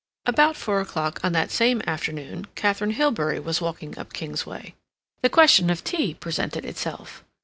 About four o'clock on that same afternoon Katharine Hilbery was walking up Kingsway. The question of tea presented itself.